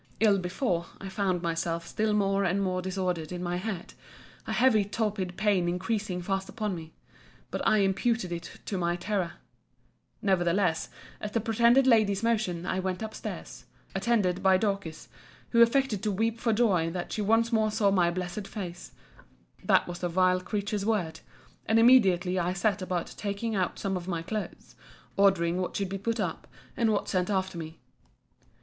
Ill before, I found myself still more and more disordered in my head; a heavy torpid pain increasing fast upon me. But I imputed it to my terror. Nevertheless, at the pretended Lady's motion, I went up stairs, attended by Dorcas; who affected to weep for joy, that she once more saw my blessed face; that was the vile creature's word: and immediately I set about taking out some of my clothes, ordering what should be put up, and what sent after me.